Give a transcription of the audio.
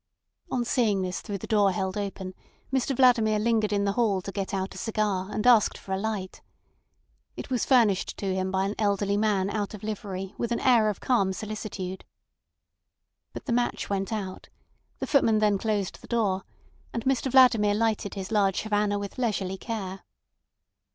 On seeing this through the door held open, Mr Vladimir lingered in the hall to get out a cigar and asked for a light. It was furnished to him by an elderly man out of livery with an air of calm solicitude. But the match went out; the footman then closed the door, and Mr Vladimir lighted his large Havana with leisurely care.